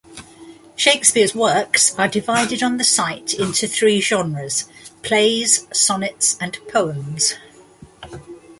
Shakespeare's works are divided on the site into three genres: plays, sonnets, and poems.